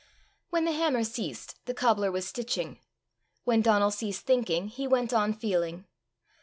When the hammer ceased, the cobbler was stitching; when Donal ceased thinking, he went on feeling.